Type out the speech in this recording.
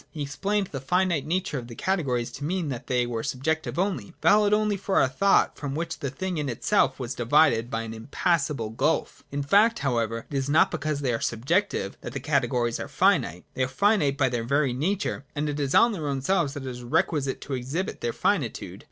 He explained the finite nature of the categories to mean that they were subjective only, valid only for our thought, from which the thing in itself was divided by an impassable gulf In fact, however, it is not because they are subjective, that the categories are finite : they are finite by their very nature, and it is on their own selves that it is requisite to exhibit their finitude.